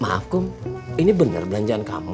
maaf kum ini bener belanjaan kamu